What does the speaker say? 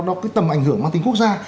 đó là tầm ảnh hưởng mang tính quốc gia